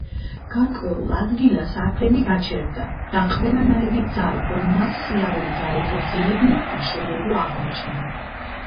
გარკვეული ადგილას აქლემი გაჩერდა და ყველანაირი ძალა, რომ მას სიარული გაეგრძელებინა, უშედეგო აღმოჩნდა.